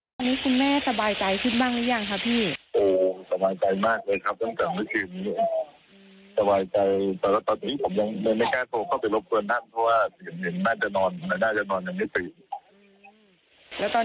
ผมมาดูแล้วเดี๋ยวจะไปแจ้งคุณแม่อีกทีหนึ่ง